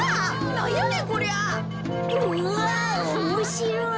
なにおもしろい？